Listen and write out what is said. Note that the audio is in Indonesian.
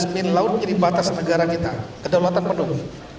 dua belas mil laut jadi batas negara kita kedalaman penuh